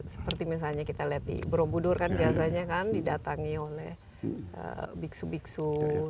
seperti misalnya kita lihat di borobudur kan biasanya kan didatangi oleh biksu biksu